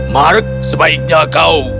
mark sebaiknya kau